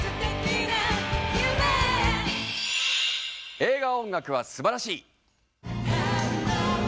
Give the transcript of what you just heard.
「映画音楽はすばらしい！」